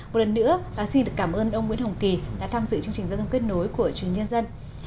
một lần nữa xin được cảm ơn ông nguyễn hồng kỳ đã tham dự chương trình giao thông kết nối của truyền nhân dân